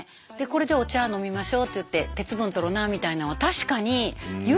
これでお茶飲みましょうっていって鉄分とろなみたいなんは確かに言うてますわ。